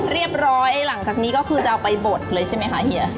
หลังจากนี้ก็คือจะเอาไปบดเลยใช่ไหมคะเฮีย